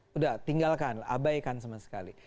sudah tinggalkan abaikan sama sekali